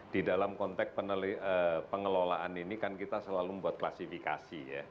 di dalam konteks pengelolaan ini kan kita selalu membuat klasifikasi ya